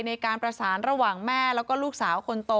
ในการประสานระหว่างแม่แล้วก็ลูกสาวคนโต